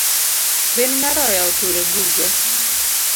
Bin nyaroya otur e bugo.